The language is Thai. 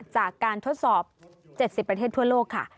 จากการทดสอบ๗๐ประเทศทั่วโลกค่ะ